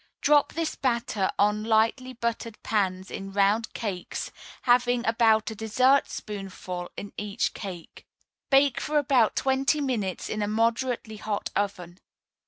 Drop this batter on lightly buttered pans in round cakes, having about a dessertspoonful in each cake. Bake for about twenty minutes in a moderately hot oven.